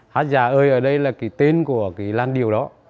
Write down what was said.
hát già ơi ở đây là cái tên của cái lan điều đó